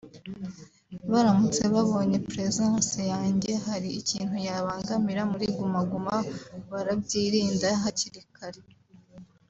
…baramutse babonye presence yanjye hari ikintu yabangamira muri Guma Guma barabyirinda hakiri kare